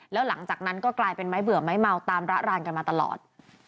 แล้วหลังจากนั้นก็กลายเป็นไม้เบื่อไม้เมาตามระรานกันมาตลอด